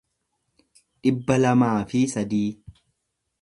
dhibba lamaa fi sadii